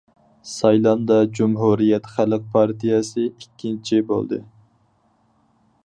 سايلامدا جۇمھۇرىيەت خەلق پارتىيەسى ئىككىنچى بولدى.